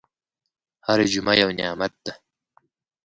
هره جمعه یو نعمت ده.